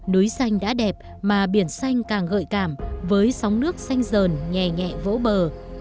núi xanh đã đẹp mà biển xanh càng gợi cảm với sóng nước xanh dờn nhẹ nhẹ vỗ bờ